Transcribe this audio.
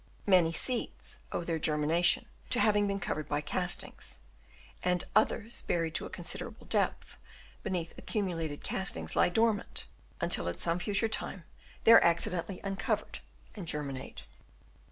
Many seeds owe their germination to having been covered by castings ; and others buried to a considerable depth beneath accumulated castings lie dormant, until at some future time they are accidentally uncovered and germinate.